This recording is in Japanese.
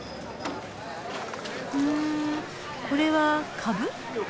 うんこれはカブ？